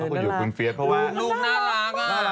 คุณอยู่กับคุณเฟียสเพราะว่าลูกน่ารัก